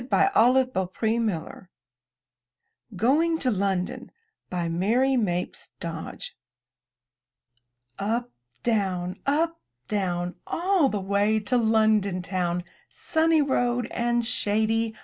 74 IN THE NURSERY GOING TO LONDON* Mary Mapes Dodge Up, down! Up, down! All the way to London town — Sunny road and shady.